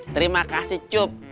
terima kasih cup